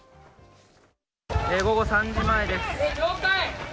午後３時前です。